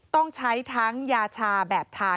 ต้องใช้ทั้งยาชาแบบทา